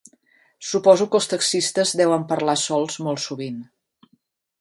Suposo que els taxistes deuen parlar sols molt sovint.